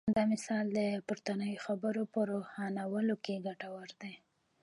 دا مثال د پورتنیو خبرو په روښانولو کې ګټور دی.